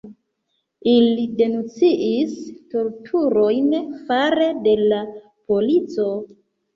Ili denuncis torturojn fare de la polico.